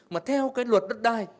mà theo cái luật đất đai